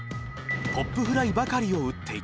ポップフライばかりを打っていた。